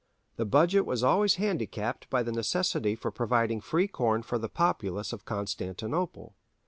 The budget was always handicapped by the necessity for providing free corn for the populace of Constantinople.